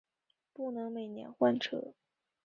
不能每年换车